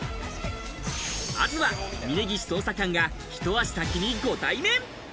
まずは峯岸捜査官が、一足先にご対面。